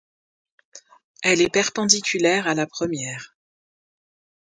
Elle est perpendiculaire à la première.